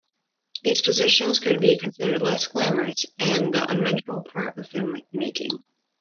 These positions could be considered "less glamorous", and the unmentionable part of filmmaking.